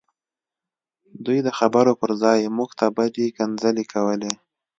دوی د خبرو پرځای موږ ته بدې کنځلې کولې